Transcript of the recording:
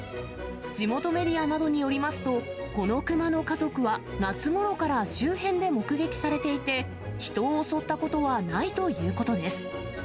地元メディアなどによりますと、このクマの家族は、夏ごろから周辺で目撃されていて、人を襲ったことはないということです。